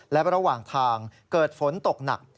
และระหว่างทางเกิดฝนตกหนัก